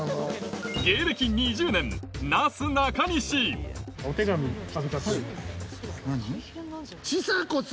芸歴２０年なすなかにし何？